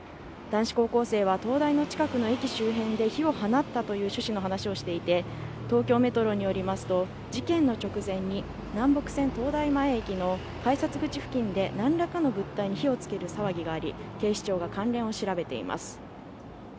男子高校生は東大の近くの駅周辺で火を放ったという趣旨の話をしていて東京メトロによりますと事件の直前に南北線東大前駅の改札口付近でなんらかの物体に火をつける騒ぎがあり警視庁が関連を調べています